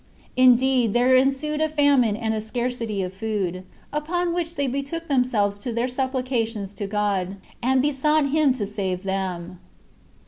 Indeed, there ensued a famine and a scarcity of food; upon which they betook themselves to their supplications to God, and besought him to save them.